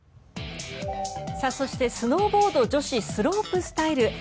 そして、スノーボード女子スロープスタイル。